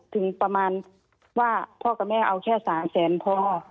ถึงประมาณว่าพ่อกับแม่เอาแค่๓แสนพ่อ